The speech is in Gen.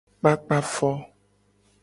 Kpakpa fo.